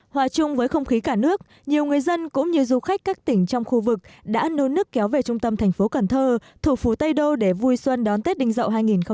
hòa chung với không khí cả nước nhiều người dân cũng như du khách các tỉnh trong khu vực đã nôn nước kéo về trung tâm thành phố cần thơ thủ phủ tây đô để vui xuân đón tết đinh dậu hai nghìn hai mươi